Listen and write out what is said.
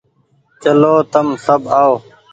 چلو تم سب آئو۔